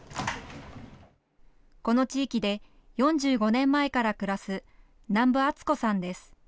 この地域で４５年前から暮らす、南部篤子さんです。